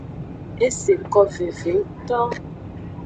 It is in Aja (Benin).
Eseko veve ngto.